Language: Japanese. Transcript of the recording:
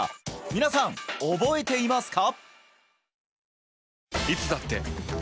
皆さん覚えていますか？